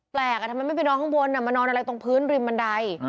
ทำไมไม่ไปนอนข้างบนมานอนอะไรตรงพื้นริมบันได